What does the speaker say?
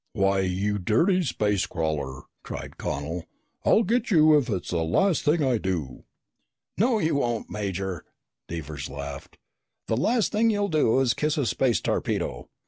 "Why, you dirty space crawler," cried Connel, "I'll get you if it's the last thing I do!" "No, you won't, Major." Devers laughed. "The last thing you'll do is kiss a space torpedo.